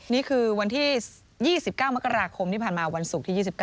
นี่คือวันที่๒๙มกราคมที่ผ่านมาวันศุกร์ที่๒๙